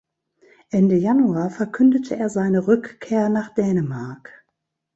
Ende Januar verkündete er seine Rückkehr nach Dänemark.